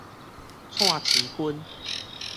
蔡徐坤